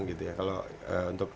gitu ya kalau untuk